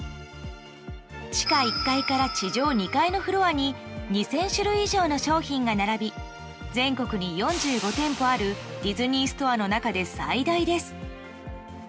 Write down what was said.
地下１階から地上２階のフロアに２０００種類以上の商品が並び全国に４５店舗あるディズニーストアの中で最大です。